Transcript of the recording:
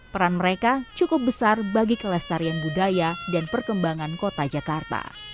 peran mereka cukup besar bagi kelestarian budaya dan perkembangan kota jakarta